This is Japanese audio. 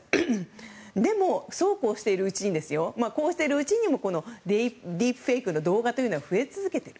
でも、そうこうしているうちにこうしているうちにもディープフェイクの動画は増え続けている。